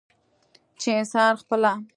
چې انسان خپله